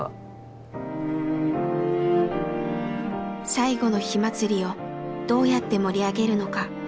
最後の火まつりをどうやって盛り上げるのか。